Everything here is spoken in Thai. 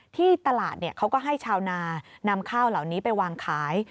ที่ตลาดเขาก็ให้ชาวนานำข้าวเหล่านี้ไปวางขาย